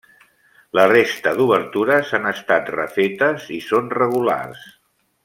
La resta d'obertures han estat refetes i són regulars.